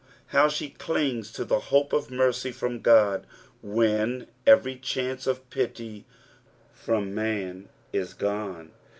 How she cliDgs to the hope of mercj from Qod when every chance of pity from maD is gone